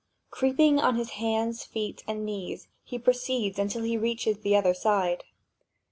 Creeping on his hands, feet, and knees, he proceeds until he reaches the other side.